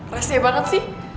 rasanya banget sih